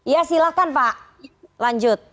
ya silakan pak lanjut